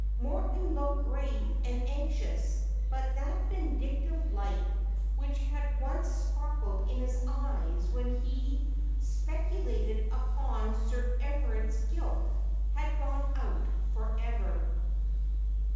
Morton looked grave and anxious ; but that vindictive light which had once sparkled in his eyes when he speculated upon Sir Everard's guilt, had gone out for ever.